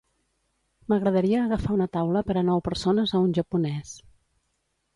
M'agradaria agafar una taula per a nou persones a un japonès.